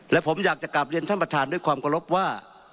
และผมอยากจะกลับเรียนท่านประธานด้วยความเคารพว่า